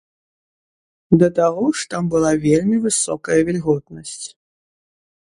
Да таго ж там была вельмі высокая вільготнасць.